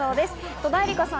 戸田恵梨香さん